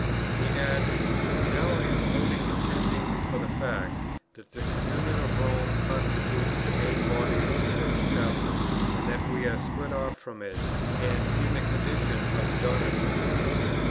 He adds, "Now I am only contending for the fact, that the communion of Rome constitutes the main body of the Church Catholic, and that we are split off from it, and in the condition of the Donatists."